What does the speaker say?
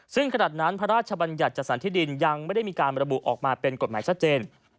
ซึ่งขนาดนั้นพระราชบัญญัติจัดสรรที่ดินยังไม่ได้มีการระบุออกมาเป็นกฎหมายชัดเจน